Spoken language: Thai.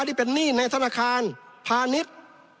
ได้เป็นนี่วงการในธนาคารภานิชย์